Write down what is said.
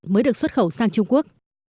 mới được xuất khẩu sang trung quốc